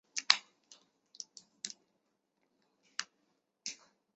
完成了这幅画作